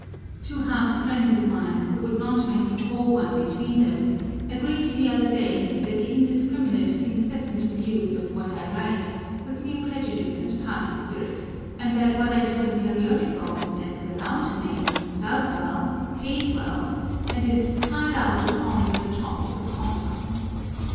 Two half friends of mine, who would not make a whole one between them, agreed the other day that the indiscriminate, incessant abuse of what I write was mere prejudice and party spirit, and that what I do in periodicals and without a name does well, pays well, and is " cried out upon in the top of the compass."